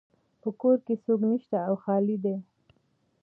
په کور کې څوک نشته او خالی ده